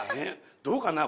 どうかな？